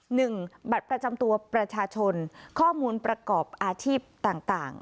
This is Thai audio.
หนึ่งบัตรประจำตัวประชาชนข้อมูลประกอบอาชีพต่างต่าง